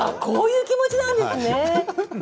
こういう気持ちなんですね